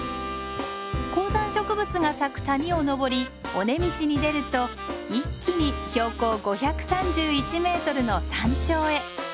高山植物が咲く谷を登り尾根道に出ると一気に標高５３１ｍの山頂へ。